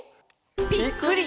「ぴっくり！